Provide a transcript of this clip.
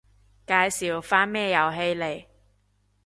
介紹返咩遊戲嚟